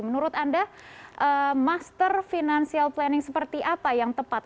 menurut anda master financial planning seperti apa yang tepat